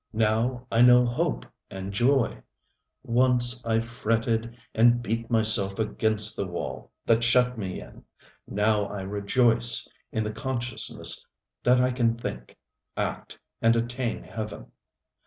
Now I know hope and joy. Once I fretted and beat myself against the wall that shut me in. Now I rejoice in the consciousness that I can think, act and attain heaven.